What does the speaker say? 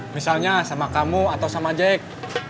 misalnya sama kamu atau sama jack